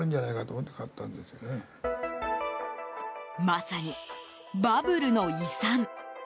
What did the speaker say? まさにバブルの遺産。